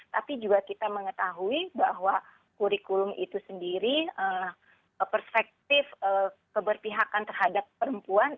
tapi juga kita mengetahui bahwa kurikulum itu sendiri perspektif keberpihakan terhadap perempuan